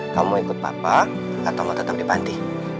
kamu ikut papa atau mau tetap di panti